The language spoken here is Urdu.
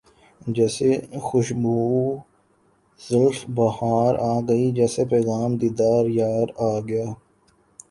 جیسے خوشبوئے زلف بہار آ گئی جیسے پیغام دیدار یار آ گیا